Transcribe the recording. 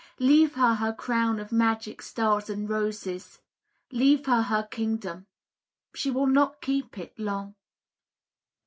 . Leave her her crown of magic stars and roses, Leave her her kingdom—she will not keep it long!